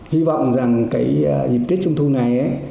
hy vọng rằng cái dịp tết trung thu này